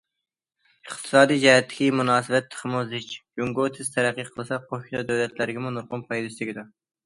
ئىقتىسادىي جەھەتتىكى مۇناسىۋەت تېخىمۇ زىچ، جۇڭگو تېز تەرەققىي قىلسا، قوشنا دۆلەتلەرگىمۇ نۇرغۇن پايدىسى تېگىدۇ.